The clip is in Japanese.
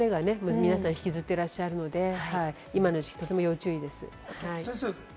夏の疲れが皆さん引きずっていらっしゃるので、今の時期はとても要注意です。